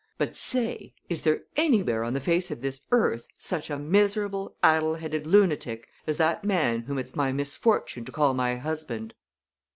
But say, is there anywhere on the face of this earth such a miserable, addle headed lunatic as that man whom it's my misfortune to call my husband?"